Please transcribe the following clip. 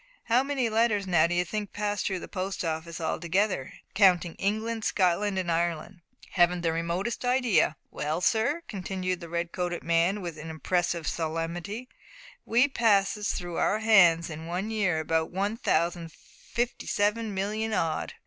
How many letters, now, d'you think, pass through the Post Office altogether counting England, Scotland, and Ireland?" "Haven't the remotest idea." "Well, sir," continued the red coated man, with impressive solemnity, "we passes through our hands in one year about one thousand and fifty seven million odd."